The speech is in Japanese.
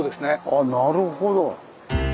あなるほど。